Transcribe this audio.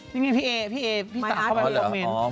นี่มีพี่เอพี่สาวเข้าไปในคอมเม้น